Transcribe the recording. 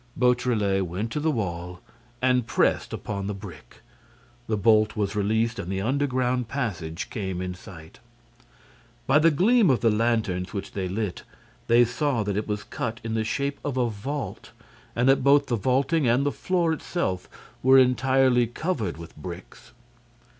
Beautrelet went to the wall and pressed upon the brick. The bolt was released and the underground passage came in sight. By the gleam of the lanterns which they lit, they saw that it was cut in the shape of a vault and that both the vaulting and the floor itself were entirely covered with bricks.